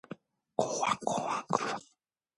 신철이는 좁은 자리에 끼여 불편함을 느꼈다.